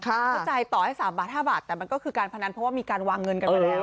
เข้าใจต่อให้๓บาท๕บาทแต่มันก็คือการพนันเพราะว่ามีการวางเงินกันมาแล้ว